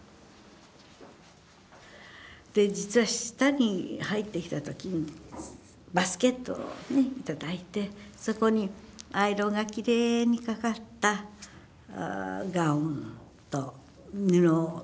実は下に入ってきた時にバスケットを頂いてそこにアイロンがきれいにかかったガウンと布。